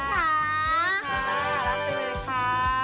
ขอบคุณค่ะรับจริงค่ะ